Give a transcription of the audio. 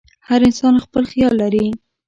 هر انسان خپل خیال لري.